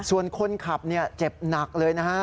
ส่วนคนขับเจ็บหนักเลยนะฮะ